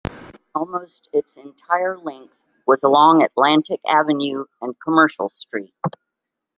Almost its entire length was along Atlantic Avenue and Commercial Street.